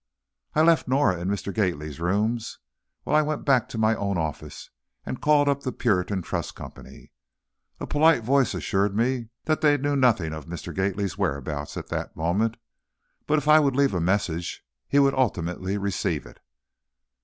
I left Norah in Mr. Gately's rooms while I went back to my own office and called up the Puritan Trust Company. A polite voice assured me that they knew nothing of Mr. Gately's whereabouts at that moment, but if I would leave a message he would ultimately receive it.